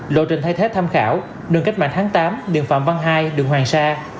lộ trình thay thế tham khảo đường cách mạng tháng tám đường phạm văn hai đường hoàng sa